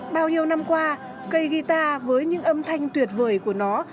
bao nhiêu năm qua key guitar với những âm thanh tuyệt vời của nó